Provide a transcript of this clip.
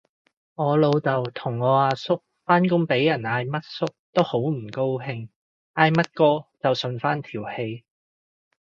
我老豆同我阿叔返工俾人嗌乜叔都好唔高興，嗌乜哥就順返條氣